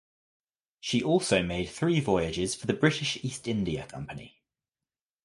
She also made three voyages for the British East India Company.